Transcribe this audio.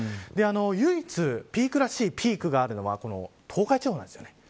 唯一ピークらしいピークがあるのは東海地方なんです。